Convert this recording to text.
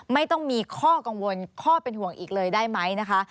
ไม่ต้องมีข้อกังวลข้อเป็นห่วงอีกเลยได้ไหมนะคะ